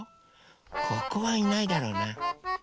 ここはいないだろうな。